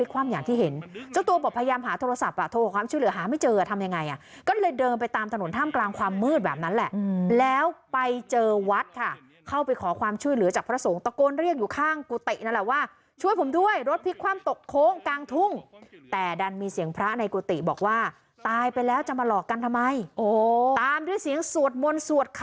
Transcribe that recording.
ความช่วยเหลือหาไม่เจออ่ะทำยังไงอ่ะก็เลยเดินไปตามถนนถ้ามกลางความมืดแบบนั้นแหละอืมแล้วไปเจอวัดค่ะเข้าไปขอความช่วยเหลือจากพระสงฆ์ตะโกนเรียกอยู่ข้างกุตินั่นแหละว่าช่วยผมด้วยรถพลิกความตกโค้งกางทุ่งแต่ดันมีเสียงพระในกุติบอกว่าตายไปแล้วจะมาหลอกกันทำไมโอ้ตามด้วยเสียงสวดมน